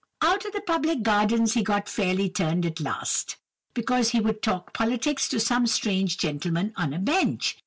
"Out of the public gardens he got fairly turned at last, because he would talk politics to some strange gentlemen on a bench.